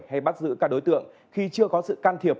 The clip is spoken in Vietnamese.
hay bắt giữ các đối tượng khi chưa có sự can thiệp